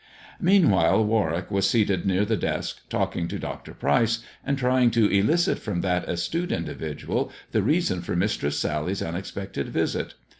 Meanwhile Warwick was seated near the desk, talking to Dr. Pryce, and trying to elicit from that astute indi vidual the reason for Mistress Sally's unexpected visit.